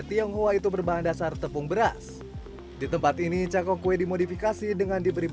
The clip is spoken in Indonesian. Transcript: tionghoa itu berbahan dasar tepung beras di tempat ini cakok kue dimodifikasi dengan diberi